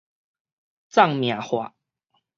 藏名化